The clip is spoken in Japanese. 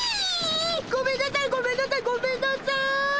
ごめんなさいごめんなさいごめんなさい！